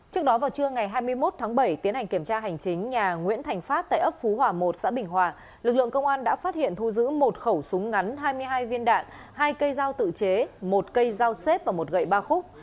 trước đó vào trưa ngày hai mươi một tháng bảy tiến hành kiểm tra hành chính nhà nguyễn thành phát tại ấp phú hòa một xã bình hòa lực lượng công an đã phát hiện thu giữ một khẩu súng ngắn hai mươi hai viên đạn hai cây dao tự chế một cây dao xếp và một gậy ba khúc